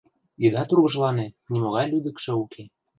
— Ида тургыжлане, нимогай лӱдыкшӧ уке.